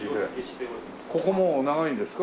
ここもう長いんですか？